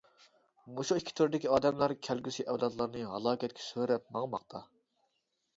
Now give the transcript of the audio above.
مۇشۇ ئىككى تۈردىكى ئادەملەر كەلگۈسى ئەۋلادلارنى ھالاكەتكە سۆرەپ ماڭماقتا.